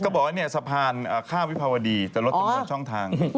เขาบอกว่าสะพานข้าววิภาวดีแต่รถอยู่บนช่องทาง